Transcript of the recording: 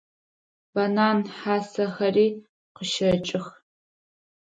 Банан хьасэхэри къыщэкӏых.